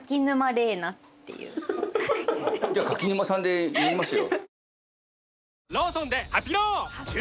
じゃあ柿沼さんで呼びますよ。